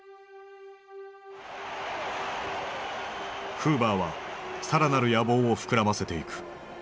フーバーは更なる野望を膨らませていく。